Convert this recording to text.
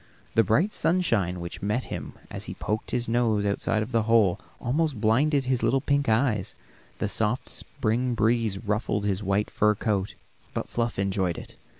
The bright sunshine which met him as he poked his nose outside the hole almost blinded his little pink eyes, and the soft spring breeze ruffled his white fur coat, but Fluff enjoyed it.